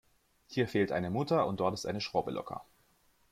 Hier fehlt eine Mutter und dort ist eine Schraube locker.